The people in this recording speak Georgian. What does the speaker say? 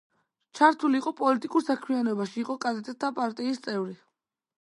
ჩართული იყო პოლიტიკურ საქმიანობაში, იყო კადეტთა პარტიის წევრი.